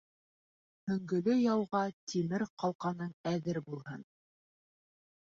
Һөңгөлө яуға тимер ҡалҡаның әҙер булһын.